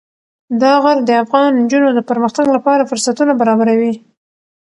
دا غر د افغان نجونو د پرمختګ لپاره فرصتونه برابروي.